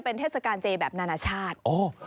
เป็นเทศกาลเจแบบนานาชาติ